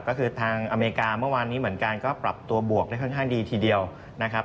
ก็คือทางอเมริกาเมื่อวานนี้เหมือนกันก็ปรับตัวบวกได้ค่อนข้างดีทีเดียวนะครับ